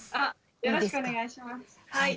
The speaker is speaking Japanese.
よろしくお願いします。